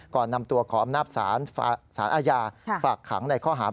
ก่อนนำตัวขออำนาจศาลอาญาฝากขังในข้อหา